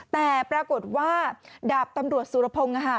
แต่ปรากฏว่าดาบตำรวจสุรพงศ์